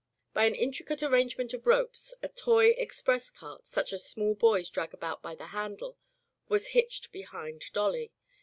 By an intricate arrangement of ropes a toy express cart, such as small boys drag about by the handle, was hitched behind Dolly.